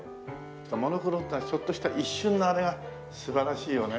モノクロってのはちょっとした一瞬のあれが素晴らしいよね。